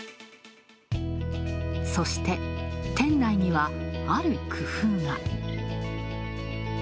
そして、店内には、ある工夫が。